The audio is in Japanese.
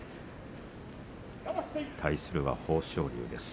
対するは豊昇龍です。